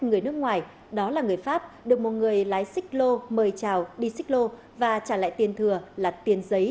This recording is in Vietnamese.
người nước ngoài đó là người pháp được một người lái xích lô mời chào đi xích lô và trả lại tiền thừa là tiền giấy